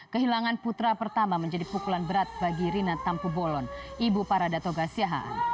kehilangan putra pertama menjadi pukulan berat bagi rina tampu bolon ibu parada toga siahaan